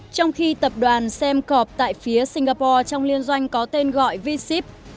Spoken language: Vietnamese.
trong khi tập đoàn semcorp tại phía singapore trong liên doanh có tên gọi v sip